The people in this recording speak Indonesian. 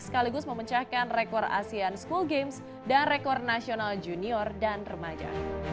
sekaligus memecahkan rekor asean school games dan rekor nasional junior dan remaja